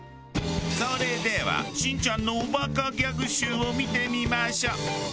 それではしんちゃんのおバカギャグ集を見てみましょう。